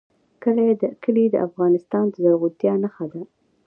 کلي د افغانستان د زرغونتیا نښه ده.